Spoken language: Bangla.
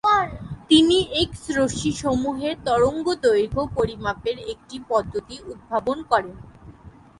তিনি এক্স-রশ্মিসমূহের তরঙ্গদৈর্ঘ্য পরিমাপের একটি পদ্ধতি উদ্ভাবন করেন।